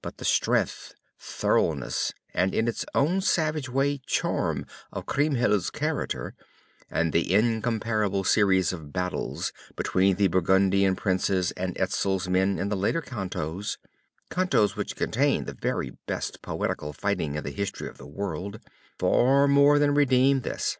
But the strength, thoroughness, and in its own savage way, charm of Kriemhild's character, and the incomparable series of battles between the Burgundian princes and Etzel's men in the later cantos cantos which contain the very best poetical fighting in the history of the world far more than redeem this.